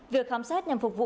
việc khám xét nhằm phục vụ